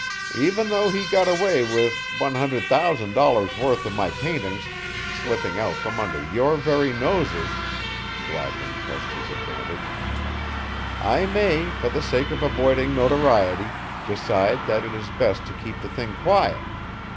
"Even though he got away with one hundred thousand dollars' worth of my paintings, slipping out from under your very noses," Gladwin pressed his advantage, "I may, for the sake of avoiding notoriety, decide that it is best to keep the thing quiet.